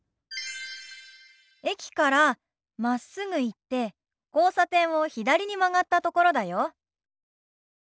駅からまっすぐ行って交差点を左に曲がったところだよ。